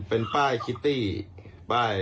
เป็นป้ายคิตตี้ป้าย